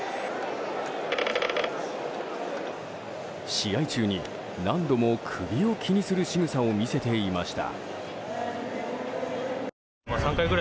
試合中に何度も、首を気にするしぐさを見せていました。